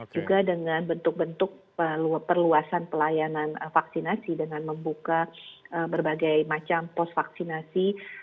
juga dengan bentuk bentuk perluasan pelayanan vaksinasi dengan membuka berbagai macam pos vaksinasi